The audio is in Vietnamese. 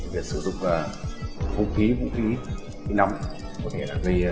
để sử dụng vũ khí vũ khí nắm có thể là gây đến ảnh hưởng đến sức khỏe và vấn đề của anh em